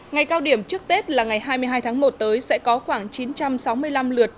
ngày cao điểm trước tết là ngày hai mươi hai tháng một tới sẽ có khoảng chín trăm sáu mươi năm lượt